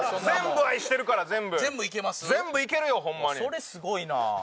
それすごいなあ。